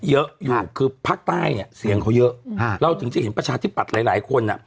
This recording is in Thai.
เยอะอยู่คือภาคใต้เนี่ยเสียงเขาเยอะเราถึงจะเห็นประชาธิปัตย์หลายหลายคนอ่ะ